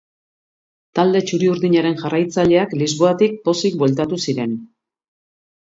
Talde txuri urdinaren jarraitzaileak Lisboatik pozik bueltatu ziren.